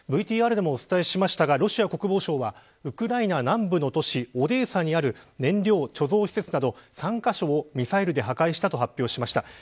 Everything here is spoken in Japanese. ＶＴＲでもお伝えしましたがロシア国防省はウクライナ南部の都市オデーサにある燃料貯蔵施設等３カ所をミサイルで破壊したと発表しました。